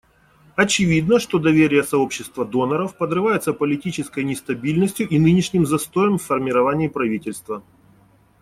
Очевидно, что доверие сообщества доноров подрывается политической нестабильностью и нынешним застоем в формировании правительства.